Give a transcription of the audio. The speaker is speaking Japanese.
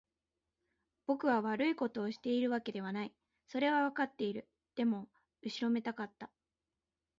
僕は悪いことをしているわけではない。それはわかっている。でも、後ろめたかった。